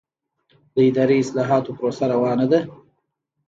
د اداري اصلاحاتو پروسه روانه ده؟